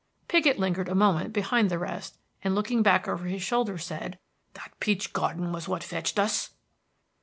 Piggott lingered a moment behind the rest, and looking back over his shoulder said, "That peach garden was what fetched us!"